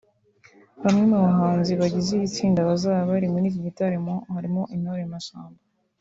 Bamwe mu bahanzi bagize iri tsinda bazaba bari muri iki gitaramo harimo Intore Masamba